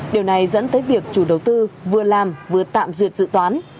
điều này dẫn tới việc chủ đầu tư vừa làm vừa tạm duyệt dự toán